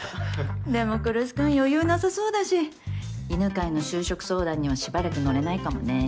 でも来栖君余裕なさそうだし犬飼の就職相談にはしばらく乗れないかもね。